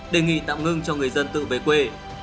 đề nghị tạm ngưng cho người dân tự về quê